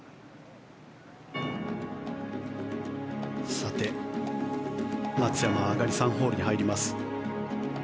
さて、松山は上がり３ホールに入ります。